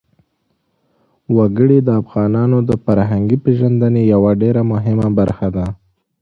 وګړي د افغانانو د فرهنګي پیژندنې یوه ډېره مهمه برخه ده.